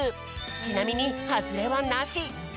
ちなみにハズレはなし！